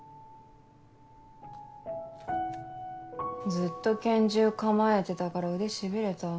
ずっと拳銃構えてたから腕しびれた。